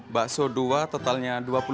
bakso dua totalnya rp dua puluh